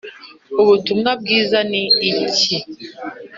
Ubutumwa bwiza ni iki?